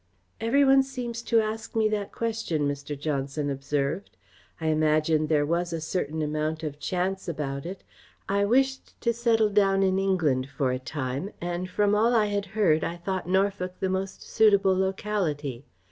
"Every one seems to ask me that question," Mr. Johnson observed. "I imagine there was a certain amount of chance about it. I wished to settle down in England for a time and from all I had heard I thought Norfolk the most suitable locality.